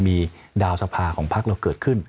มีดาวสภาของพักเราเกิดขึ้น